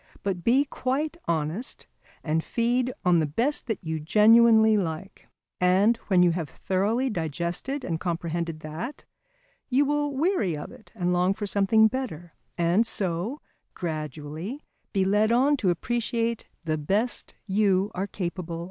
But be quite honest and feed on the best that you genuinely like, and when you have thoroughly digested and comprehended that, you will weary of it and long for something better, and so, gradually, be led on to appreciate the best you are capable of appreciating.